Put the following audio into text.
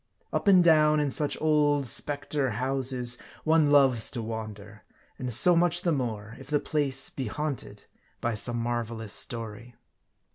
Up and down in such old specter houses one loves to wander ; and so much the more, if the place be haunted by some marvelous story.